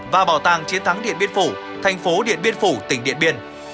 và bảo tàng chiến thắng điện biên phủ thành phố điện biên phủ tỉnh điện biên